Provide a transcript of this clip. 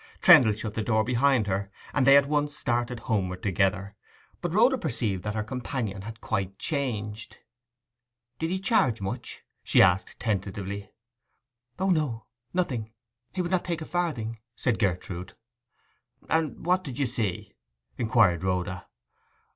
Trendle shut the door behind her, and they at once started homeward together. But Rhoda perceived that her companion had quite changed. 'Did he charge much?' she asked tentatively. 'O no—nothing. He would not take a farthing,' said Gertrude. 'And what did you see?' inquired Rhoda.